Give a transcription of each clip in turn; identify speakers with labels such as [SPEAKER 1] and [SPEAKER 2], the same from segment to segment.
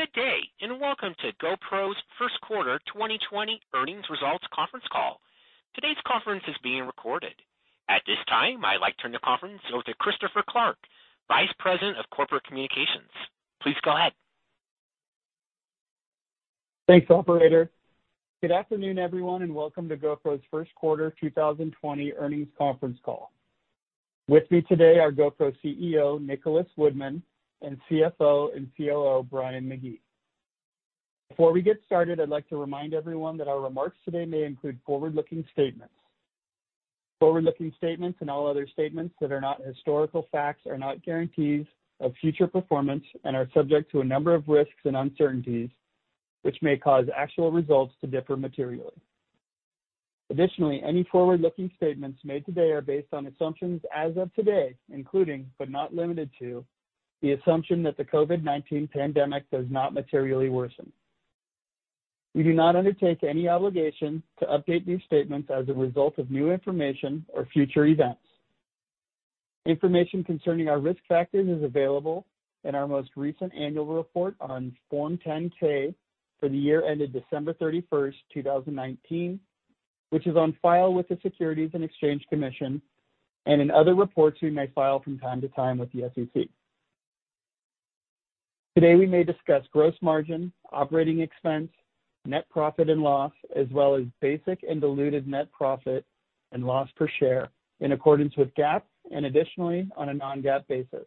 [SPEAKER 1] Good day, and welcome to GoPro's First Quarter 2020 Earnings Results Conference call. Today's conference is being recorded. At this time, I'd like to turn the conference over to Christopher Clark, Vice President of Corporate Communications. Please go ahead.
[SPEAKER 2] Thanks, Operator. Good afternoon, everyone, and welcome to GoPro's First Quarter 2020 Earnings Conference call. With me today are GoPro CEO, Nicholas Woodman, and CFO and COO, Brian McGee. Before we get started, I'd like to remind everyone that our remarks today may include forward-looking statements. Forward-looking statements and all other statements that are not historical facts are not guarantees of future performance and are subject to a number of risks and uncertainties, which may cause actual results to differ materially. Additionally, any forward-looking statements made today are based on assumptions as of today, including, but not limited to, the assumption that the COVID-19 pandemic does not materially worsen. We do not undertake any obligation to update these statements as a result of new information or future events. Information concerning our risk factors is available in our most recent annual report on Form 10-K for the year ended December 31, 2019, which is on file with the Securities and Exchange Commission, and in other reports we may file from time to time with the SEC. Today, we may discuss gross margin, operating expense, net profit and loss, as well as basic and diluted net profit and loss per share in accordance with GAAP, and additionally on a non-GAAP basis.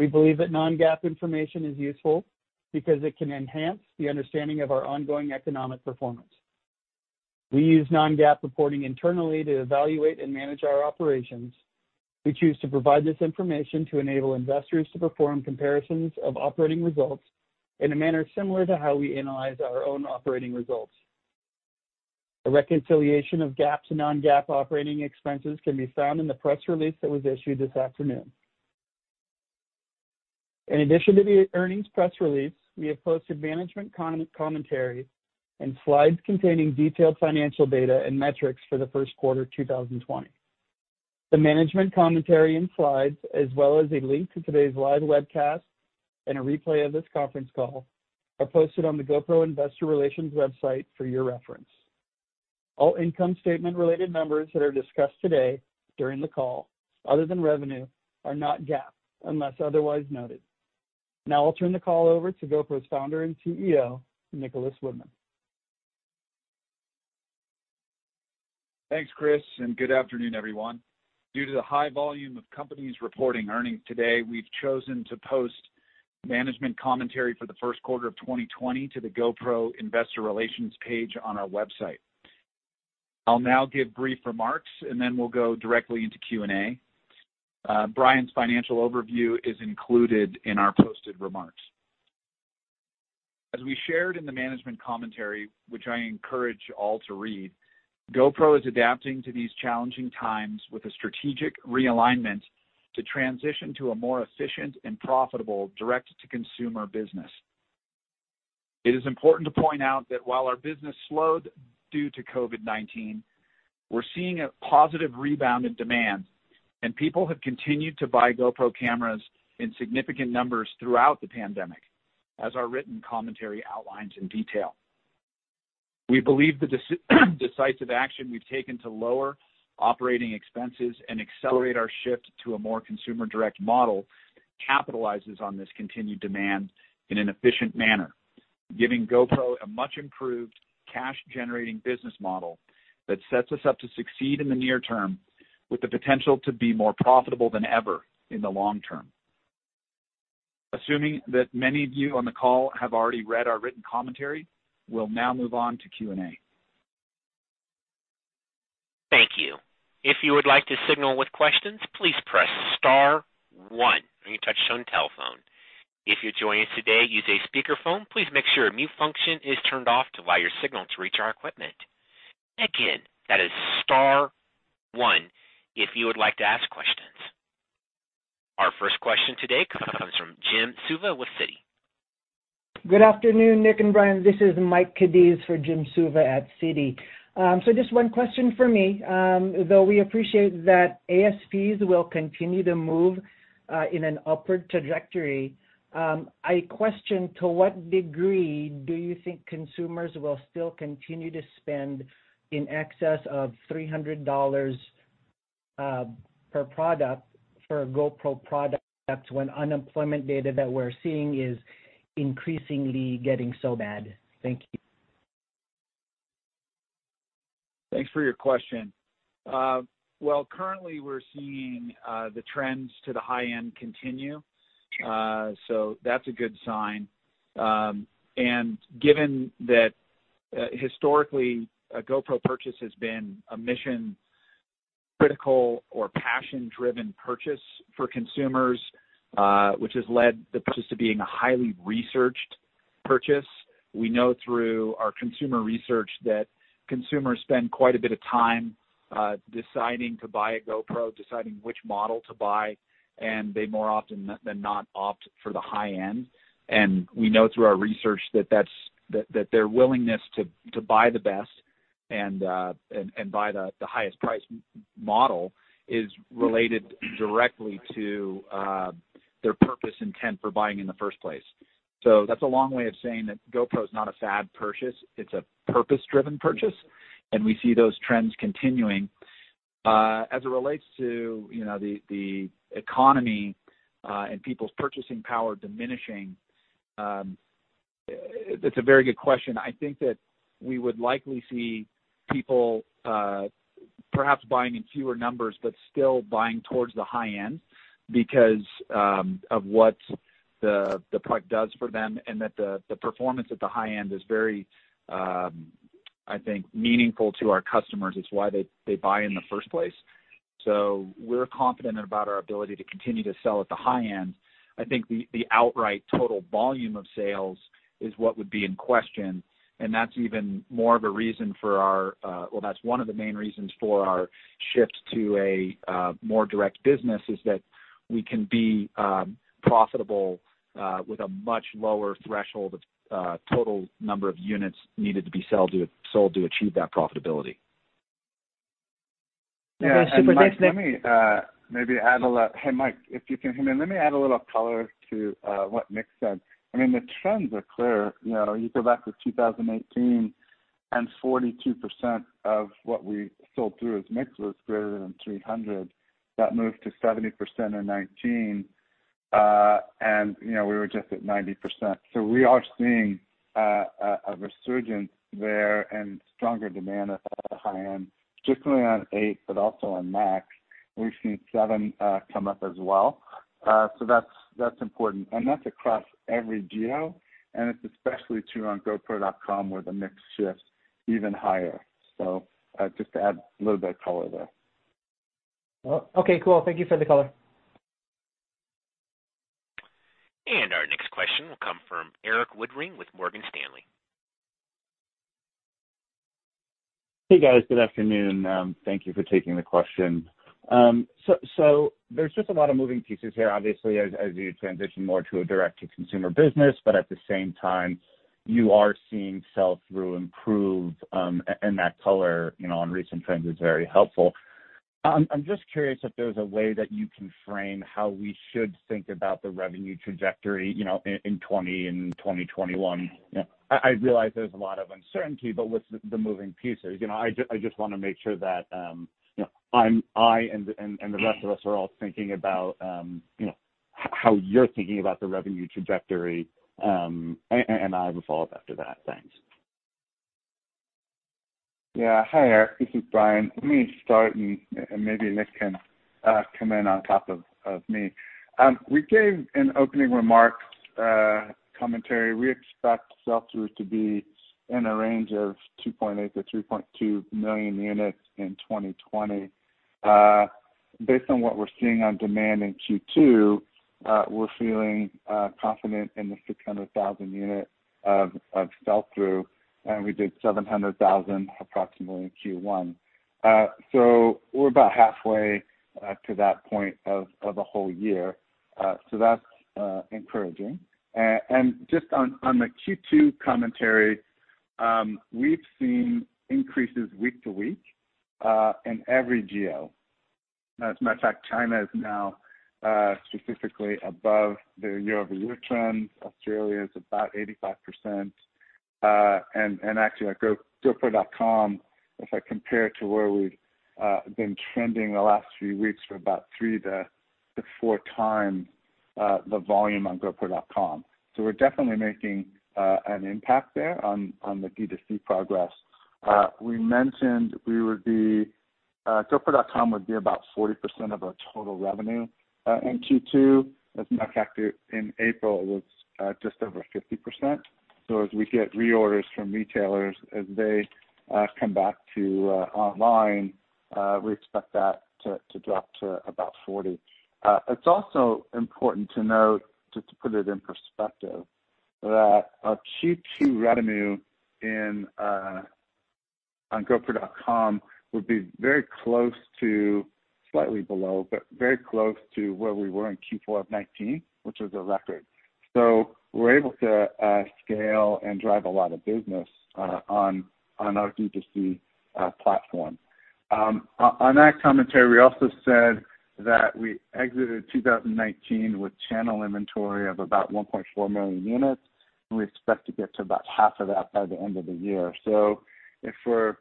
[SPEAKER 2] We believe that non-GAAP information is useful because it can enhance the understanding of our ongoing economic performance. We use non-GAAP reporting internally to evaluate and manage our operations. We choose to provide this information to enable investors to perform comparisons of operating results in a manner similar to how we analyze our own operating results. A reconciliation of GAAP to non-GAAP operating expenses can be found in the press release that was issued this afternoon. In addition to the earnings press release, we have posted management commentary and slides containing detailed financial data and metrics for the first quarter 2020. The management commentary and slides, as well as a link to today's live webcast and a replay of this conference call, are posted on the GoPro Investor Relations website for your reference. All income statement-related numbers that are discussed today during the call, other than revenue, are not GAAP unless otherwise noted. Now, I'll turn the call over to GoPro's founder and CEO, Nicholas Woodman.
[SPEAKER 3] Thanks, Chris, and good afternoon, everyone. Due to the high volume of companies reporting earnings today, we've chosen to post management commentary for the first quarter of 2020 to the GoPro Investor Relations page on our website. I'll now give brief remarks, and then we'll go directly into Q&A. Brian's financial overview is included in our posted remarks. As we shared in the management commentary, which I encourage all to read, GoPro is adapting to these challenging times with a strategic realignment to transition to a more efficient and profitable direct-to-consumer business. It is important to point out that while our business slowed due to COVID-19, we're seeing a positive rebound in demand, and people have continued to buy GoPro cameras in significant numbers throughout the pandemic, as our written commentary outlines in detail. We believe the decisive action we've taken to lower operating expenses and accelerate our shift to a more consumer-direct model capitalizes on this continued demand in an efficient manner, giving GoPro a much-improved cash-generating business model that sets us up to succeed in the near term with the potential to be more profitable than ever in the long term. Assuming that many of you on the call have already read our written commentary, we'll now move on to Q&A.
[SPEAKER 1] Thank you. If you would like to signal with questions, please press star one on your touch-tone telephone. If you're joining us today using a speakerphone, please make sure your mute function is turned off to allow your signal to reach our equipment. Again, that is star one if you would like to ask questions. Our first question today comes from Jim Suva with Citi.
[SPEAKER 4] Good afternoon, Nick and Brian. This is Mike Cadiz for Jim Suva at Citi. Just one question for me. Though we appreciate that ASPs will continue to move in an upward trajectory, I question to what degree do you think consumers will still continue to spend in excess of $300 per product for GoPro products when unemployment data that we're seeing is increasingly getting so bad? Thank you.
[SPEAKER 3] Thanks for your question. Currently, we're seeing the trends to the high end continue, so that's a good sign. Given that historically, a GoPro purchase has been a mission-critical or passion-driven purchase for consumers, which has led the purchase to being a highly researched purchase. We know through our consumer research that consumers spend quite a bit of time deciding to buy a GoPro, deciding which model to buy, and they more often than not opt for the high end. We know through our research that their willingness to buy the best and buy the highest price model is related directly to their purpose intent for buying in the first place. That's a long way of saying that GoPro is not a fad purchase. It's a purpose-driven purchase, and we see those trends continuing. As it relates to the economy and people's purchasing power diminishing, it's a very good question. I think that we would likely see people perhaps buying in fewer numbers, but still buying towards the high end because of what the product does for them and that the performance at the high end is very, I think, meaningful to our customers. It's why they buy in the first place. We are confident about our ability to continue to sell at the high end. I think the outright total volume of sales is what would be in question, and that's even more of a reason for our—that's one of the main reasons for our shift to a more direct business is that we can be profitable with a much lower threshold of total number of units needed to be sold to achieve that profitability.
[SPEAKER 4] That's super nice.
[SPEAKER 2] Maybe add a little—hey, Mike, if you can hear me, let me add a little color to what Nick said. I mean, the trends are clear. You go back to 2018, and 42% of what we sold through as mix was greater than $300. That moved to 70% in 2019, and we were just at 90%. We are seeing a resurgence there and stronger demand at the high end, particularly on eight, but also on MAX. We've seen seven come up as well. That is important, and that is across every geo, and it is especially true on GoPro.com where the mix shifts even higher. Just to add a little bit of color there.
[SPEAKER 4] Okay, cool. Thank you for the color.
[SPEAKER 1] Our next question will come from Erik Woodring with Morgan Stanley.
[SPEAKER 5] Hey, guys. Good afternoon. Thank you for taking the question. There are just a lot of moving pieces here, obviously, as you transition more to a direct-to-consumer business, but at the same time, you are seeing sales through improve, and that color on recent trends is very helpful. I'm just curious if there's a way that you can frame how we should think about the revenue trajectory in 2020 and 2021. I realize there's a lot of uncertainty, but with the moving pieces, I just want to make sure that I and the rest of us are all thinking about how you're thinking about the revenue trajectory, and I will follow up after that. Thanks.
[SPEAKER 6] Yeah. Hi, Eric. This is Brian. Let me start, and maybe Nick can come in on top of me. We gave an opening remarks commentary. We expect sell-through to be in a range of 2.8 million-3.2 million units in 2020. Based on what we're seeing on demand in Q2, we're feeling confident in the 600,000 unit of sell-through, and we did 700,000 approximately in Q1. We are about halfway to that point of a whole year. That is encouraging. Just on the Q2 commentary, we've seen increases week to week in every geo. As a matter of fact, China is now specifically above their year-over-year trend. Australia is about 85%. Actually, GoPro.com, if I compare it to where we've been trending the last few weeks, we are about three to four times the volume on GoPro.com. We are definitely making an impact there on the D2C progress. We mentioned we would be GoPro.com would be about 40% of our total revenue in Q2. As a matter of fact, in April, it was just over 50%. As we get reorders from retailers, as they come back to online, we expect that to drop to about 40%. It is also important to note, just to put it in perspective, that our Q2 revenue on GoPro.com would be very close to—slightly below, but very close to where we were in Q4 of 2019, which was a record. We are able to scale and drive a lot of business on our D2C platform. On that commentary, we also said that we exited 2019 with channel inventory of about 1.4 million units, and we expect to get to about half of that by the end of the year. If we're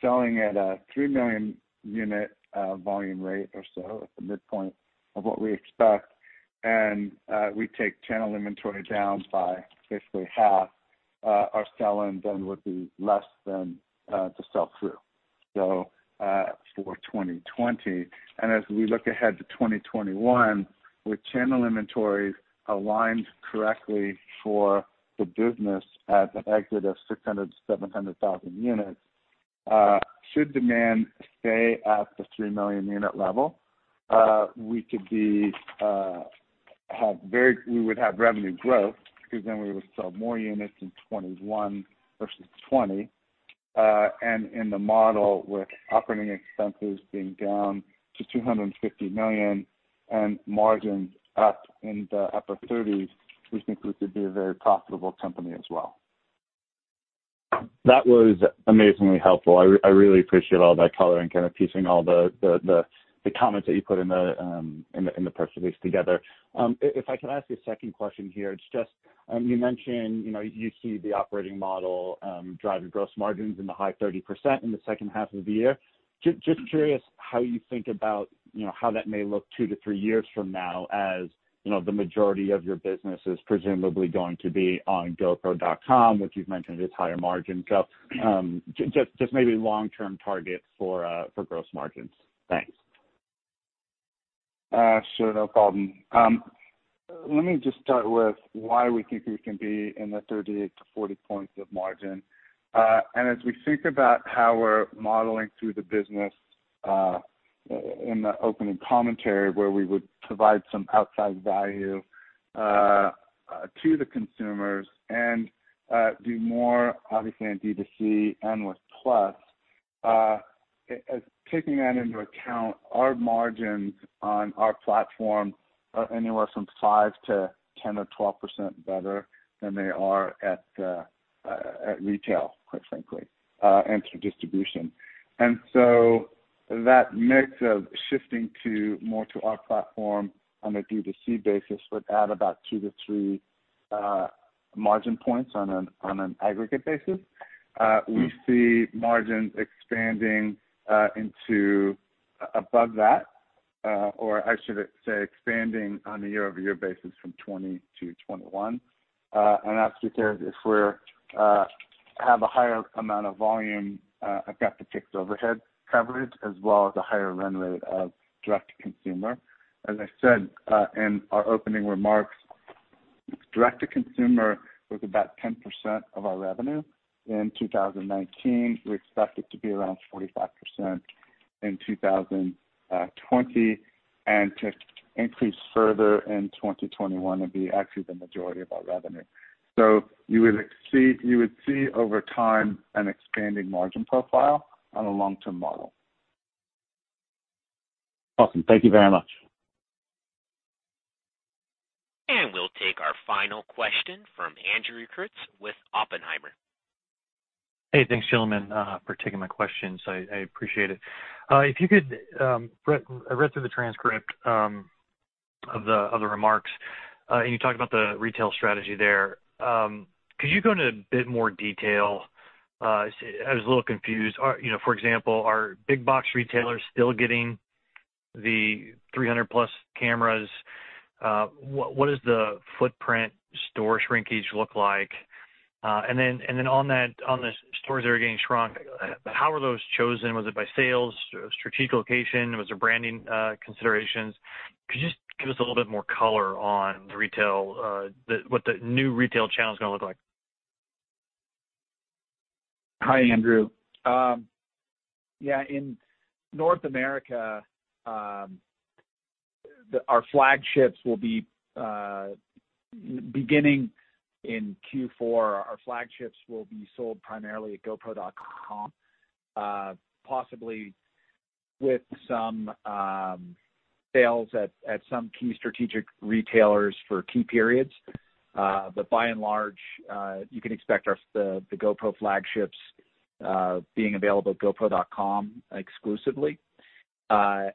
[SPEAKER 6] selling at a three million unit volume rate or so, at the midpoint of what we expect, and we take channel inventory down by basically half, our sell-in then would be less than the sell-through for 2020. As we look ahead to 2021, with channel inventories aligned correctly for the business at the exit of 600,000-700,000 units, should demand stay at the three million unit level, we could have very—we would have revenue growth because then we would sell more units in 2021 versus 2020. In the model with operating expenses being down to $250 million and margins up in the upper 30%, we think we could be a very profitable company as well.
[SPEAKER 5] That was amazingly helpful. I really appreciate all that color and kind of piecing all the comments that you put in the press release together. If I can ask a second question here, it's just you mentioned you see the operating model driving gross margins in the high 30% in the second half of the year. Just curious how you think about how that may look two to three years from now as the majority of your business is presumably going to be on GoPro.com, which you've mentioned is higher margin. Just maybe long-term targets for gross margins. Thanks.
[SPEAKER 6] Sure. No problem. Let me just start with why we think we can be in the 38%-40% of margin. As we think about how we're modeling through the business in the opening commentary where we would provide some outside value to the consumers and do more, obviously, in D2C and with Plus, taking that into account, our margins on our platform are anywhere from five-10 or 12% better than they are at retail, quite frankly, and through distribution. That mix of shifting more to our platform on a D2C basis would add about two to three margin points on an aggregate basis. We see margins expanding into above that, or I should say expanding on a year-over-year basis from 2020-2021. If we have a higher amount of volume, I've got the fixed overhead coverage as well as a higher run rate of direct-to-consumer. As I said in our opening remarks, direct-to-consumer was about 10% of our revenue in 2019. We expect it to be around 45% in 2020, and to increase further in 2021 would be actually the majority of our revenue. You would see over time an expanding margin profile on a long-term model.
[SPEAKER 5] Awesome. Thank you very much.
[SPEAKER 1] We will take our final question from Andrew Kurtz with Oppenheimer.
[SPEAKER 7] Hey, thanks, Gilliman, for taking my questions. I appreciate it. If you could—I read through the transcript of the remarks, and you talked about the retail strategy there. Could you go into a bit more detail? I was a little confused. For example, are big-box retailers still getting the 300-plus cameras? What does the footprint store shrinkage look like? On the stores that are getting shrunk, how are those chosen? Was it by sales, strategic location? Was it branding considerations? Could you just give us a little bit more color on what the new retail channel is going to look like?
[SPEAKER 3] Hi, Andrew. Yeah. In North America, our flagships will be beginning in Q4. Our flagships will be sold primarily at GoPro.com, possibly with some sales at some key strategic retailers for key periods. By and large, you can expect the GoPro flagships being available at GoPro.com exclusively. We'll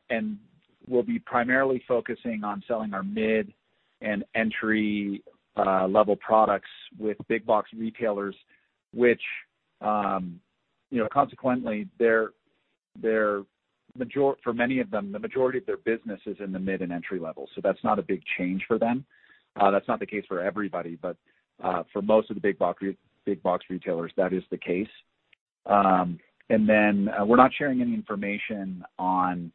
[SPEAKER 3] be primarily focusing on selling our mid and entry-level products with big-box retailers, which consequently, for many of them, the majority of their business is in the mid and entry level. That's not a big change for them. That's not the case for everybody, but for most of the big-box retailers, that is the case. We're not sharing any information on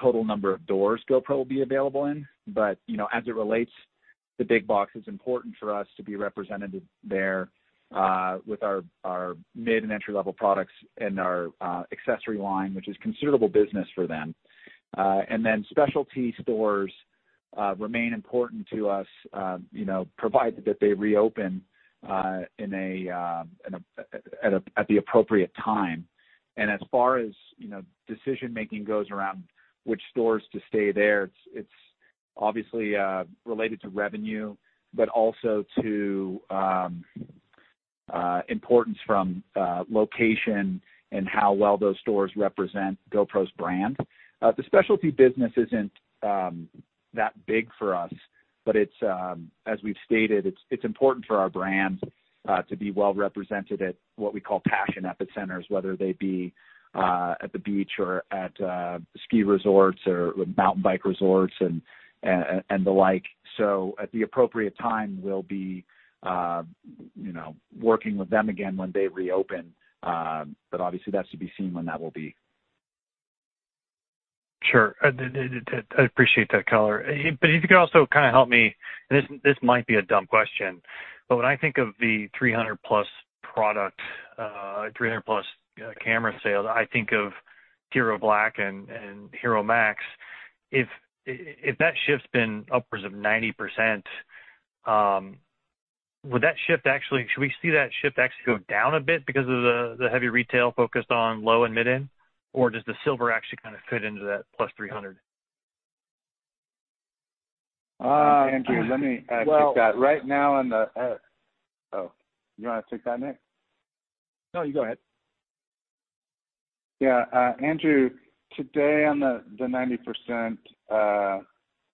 [SPEAKER 3] total number of doors GoPro will be available in, but as it relates to big-box, it's important for us to be represented there with our mid and entry-level products and our accessory line, which is considerable business for them. Specialty stores remain important to us, provided that they reopen at the appropriate time. As far as decision-making goes around which stores to stay there, it's obviously related to revenue, but also to importance from location and how well those stores represent GoPro's brand. The specialty business isn't that big for us, but as we've stated, it's important for our brand to be well-represented at what we call passion epicenters, whether they be at the beach or at ski resorts or mountain bike resorts and the like. At the appropriate time, we'll be working with them again when they reopen, but obviously, that's to be seen when that will be.
[SPEAKER 5] Sure. I appreciate that color. If you could also kind of help me, this might be a dumb question when I think of the $300-plus product, $300-plus camera sales, I think of HERO Black and HERO MAX. If that shift's been upwards of 90%, would that shift actuallysh sould we see that shift actually go down a bit because of the heavy retail focused on low and mid-end, or does the Silver actually kind of fit into that plus $300?
[SPEAKER 3] Andrew, let me take that. Right now on the
[SPEAKER 6] oh, you want to take that, Nick?
[SPEAKER 3] No, you go ahead.
[SPEAKER 6] Yeah. Andrew, today on the 90%,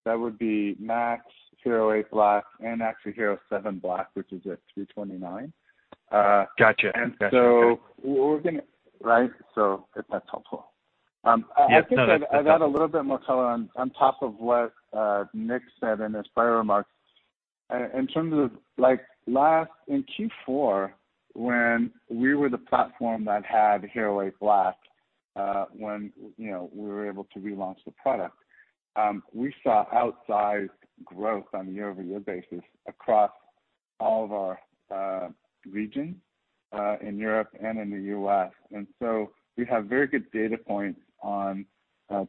[SPEAKER 6] that would be MAX, HERO8 Black, and actually HERO7 Black, which is at $329.
[SPEAKER 7] Gotcha.
[SPEAKER 6] We're going to—right? If that's helpful. I think I've added a little bit more color on top of what Nick said in his prior remarks. In terms of last in Q4, when we were the platform that had HERO8 Black, when we were able to relaunch the product, we saw outsized growth on a year-over-year basis across all of our regions in Europe and in the U.S. We have very good data points on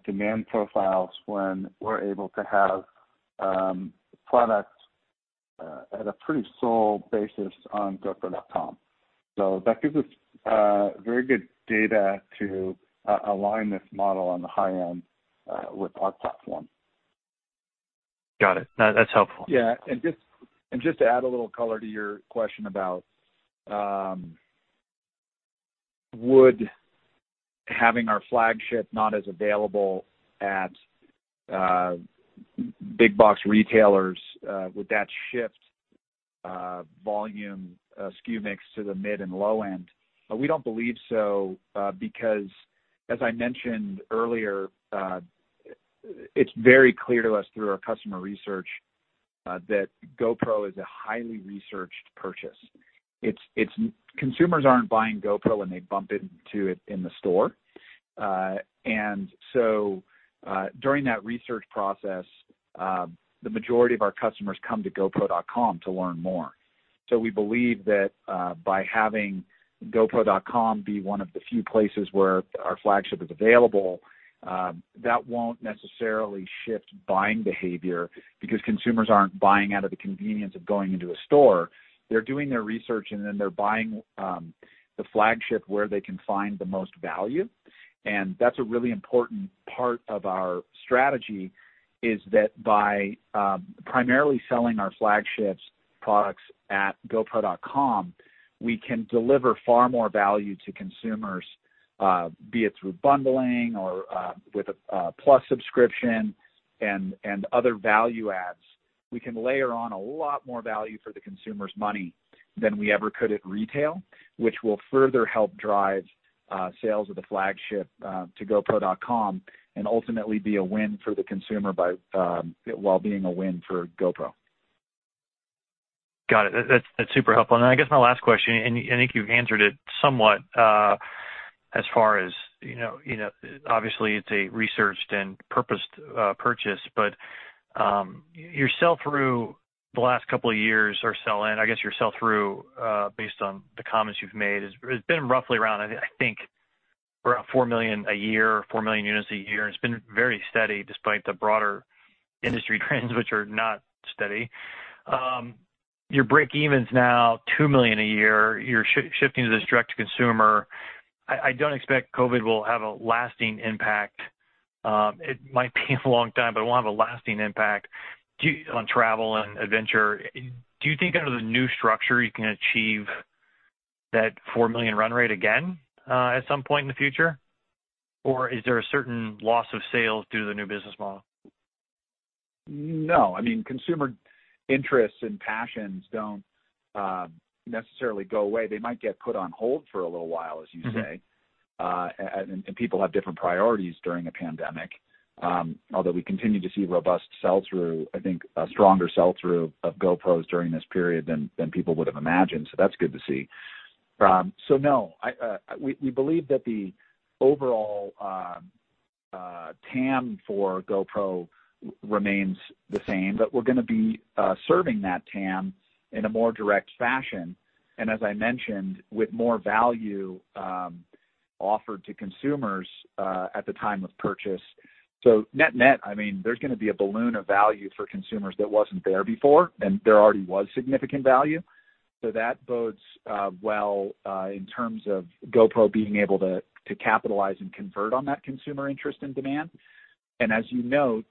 [SPEAKER 6] demand profiles when we're able to have products at a pretty sole basis on GoPro.com. That gives us very good data to align this model on the high end with our platform.
[SPEAKER 7] Got it. That's helpful.
[SPEAKER 3] Yeah. Just to add a little color to your question about having our flagship not as available at big-box retailers, would that shift volume SKU mix to the mid and low end? We do not believe so because, as I mentioned earlier, it is very clear to us through our customer research that GoPro is a highly researched purchase. Consumers are not buying GoPro when they bump into it in the store. During that research process, the majority of our customers come to GoPro.com to learn more. We believe that by having GoPro.com be one of the few places where our flagship is available, that will not necessarily shift buying behavior because consumers are not buying out of the convenience of going into a store. They are doing their research, and then they are buying the flagship where they can find the most value. That is a really important part of our strategy is that by primarily selling our flagship products at GoPro.com, we can deliver far more value to consumers, be it through bundling or with a Plus subscription and other value adds. We can layer on a lot more value for the consumer's money than we ever could at retail, which will further help drive sales of the flagship to GoPro.com and ultimately be a win for the consumer while being a win for GoPro.
[SPEAKER 7] Got it. That's super helpful. I guess my last question, and I think you've answered it somewhat as far as obviously, it's a researched and purposed purchase, but your sell-through the last couple of years or sell-in, I guess your sell-through based on the comments you've made has been roughly around, I think, around 4 million a year, 4 million units a year. It's been very steady despite the broader industry trends, which are not steady. Your break-evens now, 2 million a year. You're shifting to this direct-to-consumer. I don't expect COVID will have a lasting impact. It might be a long time, but it won't have a lasting impact on travel and adventure. Do you think under the new structure, you can achieve that 4 million run rate again at some point in the future? Is there a certain loss of sales due to the new business model?
[SPEAKER 3] No. I mean, consumer interests and passions don't necessarily go away. They might get put on hold for a little while, as you say. People have different priorities during a pandemic. Although we continue to see robust sell-through, I think a stronger sell-through of GoPros during this period than people would have imagined. That's good to see. No, we believe that the overall TAM for GoPro remains the same, but we're going to be serving that TAM in a more direct fashion. As I mentioned, with more value offered to consumers at the time of purchase. Net-net, I mean, there's going to be a balloon of value for consumers that wasn't there before, and there already was significant value. That bodes well in terms of GoPro being able to capitalize and convert on that consumer interest and demand. As you know,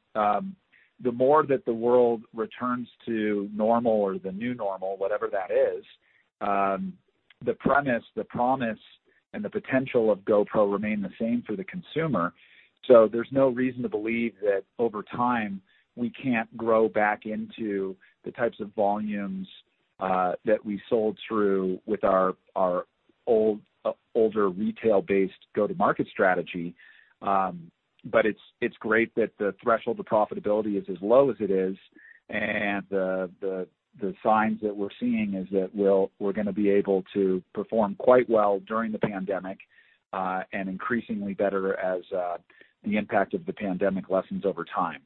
[SPEAKER 3] the more that the world returns to normal or the new normal, whatever that is, the premise, the promise, and the potential of GoPro remain the same for the consumer. There is no reason to believe that over time, we can't grow back into the types of volumes that we sold through with our older retail-based go-to-market strategy. It is great that the threshold of profitability is as low as it is. The signs that we're seeing are that we're going to be able to perform quite well during the pandemic and increasingly better as the impact of the pandemic lessens over time.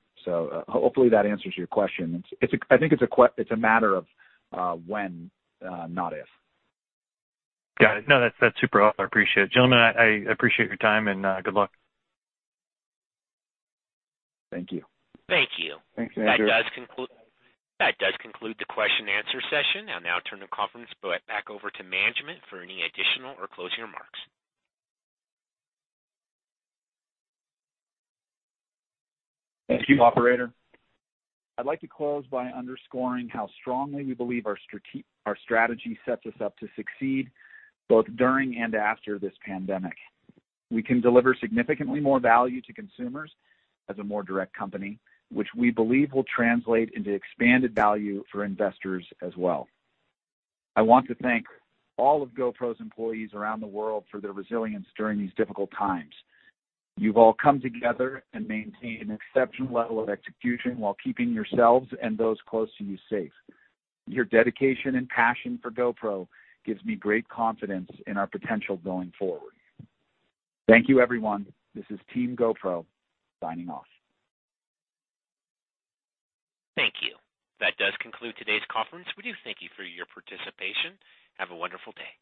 [SPEAKER 3] Hopefully, that answers your question. I think it's a matter of when, not if.
[SPEAKER 7] Got it. No, that's super helpful. I appreciate it. Brian, I appreciate your time, and good luck.
[SPEAKER 6] Thank you.
[SPEAKER 1] Thank you.
[SPEAKER 3] Thanks, Andrew.
[SPEAKER 1] That does conclude the question-and-answer session. I'll now turn the conference back over to management for any additional or closing remarks.
[SPEAKER 3] Thank you, Operator. I'd like to close by underscoring how strongly we believe our strategy sets us up to succeed both during and after this pandemic. We can deliver significantly more value to consumers as a more direct company, which we believe will translate into expanded value for investors as well. I want to thank all of GoPro's employees around the world for their resilience during these difficult times. You've all come together and maintained an exceptional level of execution while keeping yourselves and those close to you safe. Your dedication and passion for GoPro gives me great confidence in our potential going forward. Thank you, everyone. This is Team GoPro signing off.
[SPEAKER 1] Thank you. That does conclude today's conference. We do thank you for your participation. Have a wonderful day.